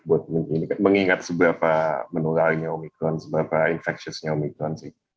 buat mengingat seberapa menularnya omikron seberapa infectiousnya omikron sih